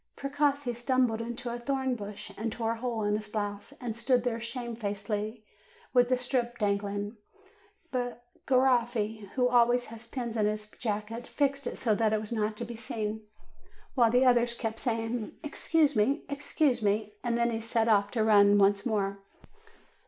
Precossi tumbled into a thorn bush, and tore a hole in his blouse, and stood there shamefacedly, with the strip dangling; but Ga roffi, who always has pins in his jacket, fixed it so that it was not to be seen, while the other kept saying, ''Ex cuse me, excuse me," and then he set out to run once more.